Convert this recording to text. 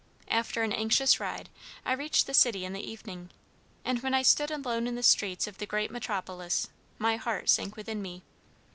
After an anxious ride, I reached the city in the evening, and when I stood alone in the streets of the great metropolis, my heart sank within me.